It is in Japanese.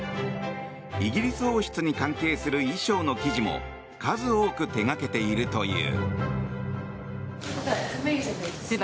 イギリス王室に関係する衣装の生地も数多く手掛けているという。